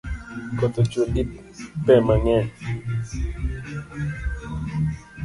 Koth ochue gi pe mang’eny